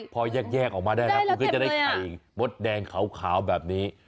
พอแยกออกมาได้แล้วคุณก็จะได้ไข่มดแดงขาวแบบนี้